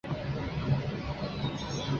两国的矛盾日深。